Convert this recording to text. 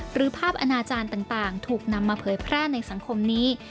ภาพอนาจารย์ต่างถูกนำมาเผยแพร่ในสังคมนี้